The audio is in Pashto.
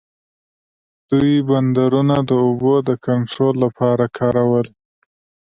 دوی بندرونه د اوبو د کنټرول لپاره کارول.